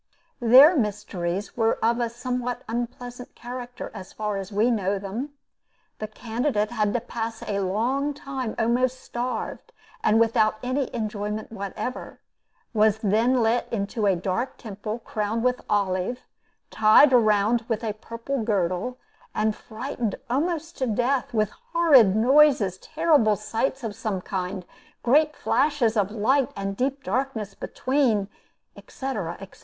Their mysteries were of a somewhat unpleasant character, as far as we know them. The candidate had to pass a long time almost starved, and without any enjoyment whatever; was then let into a dark temple, crowned with olive, tied round with a purple girdle, and frightened almost to death with horrid noises, terrible sights of some kind, great flashes of light and deep darkness between, etc., etc.